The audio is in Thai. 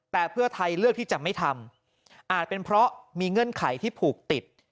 แต่เพื่อไทยเลือกที่จะไม่ทำอาจเป็นเพราะมีเงื่อนไขที่ผูกติด